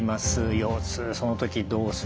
「腰痛そのときどうする？」。